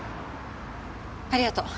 ありがとう。